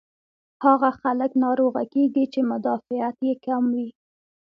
هاغه خلک ناروغه کيږي چې مدافعت ئې کم وي